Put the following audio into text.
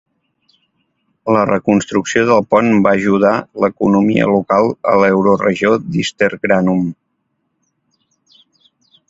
La reconstrucció del pont va ajudar l'economia local a l'euroregió d'Ister-Granum.